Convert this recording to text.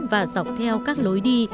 và dọc theo các lối đi